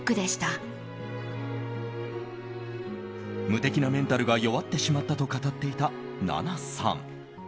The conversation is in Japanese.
無敵なメンタルが弱ってしまったと語っていた奈々さん。